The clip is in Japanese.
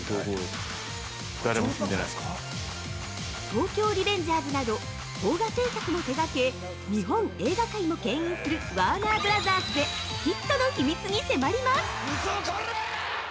◆「東京リベンジャーズ」など邦画製作も手がけ日本映画界もけん引する「ワーナーブラザース」ヒットの秘密に迫ります！！